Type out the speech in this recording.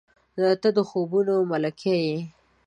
• ته د خوبونو ملکې یې.